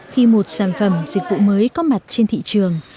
khi một sản phẩm dịch vụ mới có mặt trên thị trường